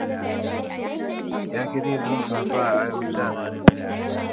يا قليل الوفاء ضاع وداد